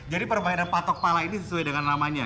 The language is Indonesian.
jadi permainan patok pala ini sesuai dengan namanya